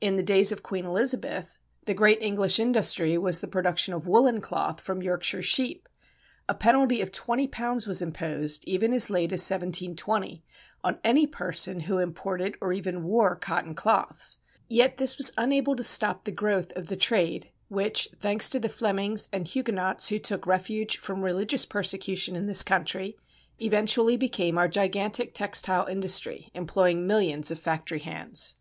In the days of Queen Elizabeth the great English industry was the production of woollen cloth from Yorkshire sheep. A penalty of £20 was imposed, even as late as 1720, on any person who imported or even wore cotton cloths. Yet this was unable to stop the growth of the trade which, thanks to the Flemings and Huguenots who took refuge from religious persecution in this country, eventually became our gigantic textile industry employing millions of factory hands.